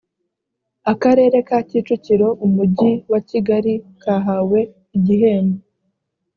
akarere ka kicukiro umujyi wa kigali kahawe igihembo